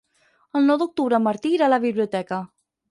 El nou d'octubre en Martí irà a la biblioteca.